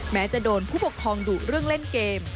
แม้จะโดนผู้ปกครองดุเรื่องเล่นเกม